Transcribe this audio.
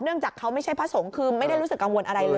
จากเขาไม่ใช่พระสงฆ์คือไม่ได้รู้สึกกังวลอะไรเลย